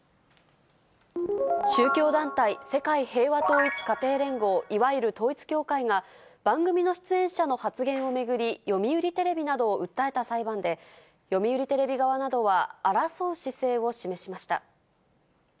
宗教団体、世界平和統一家庭連合いわゆる統一教会が、番組の出演者の発言を巡り、読売テレビなどを訴えた裁判で、読売テレビ側などは争う姿勢を示しました。